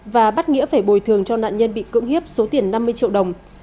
và bắt nghĩa phải bồi thường cho nạn nhân bị cưỡng hiếp số tiền năm mươi triệu đồng